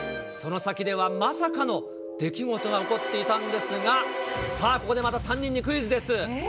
その先ではまさかの出来事が起こっていたんですが、さあ、ここでまた３人にクイズです。